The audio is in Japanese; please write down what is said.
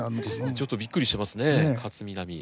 ちょっとびっくりしてますね勝みなみ。